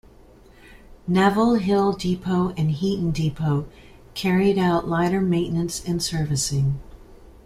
Neville Hill Depot and Heaton Depot carried out lighter maintenance and servicing.